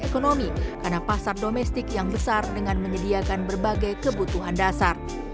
karena pasar domestik yang besar dengan menyediakan berbagai kebutuhan dasar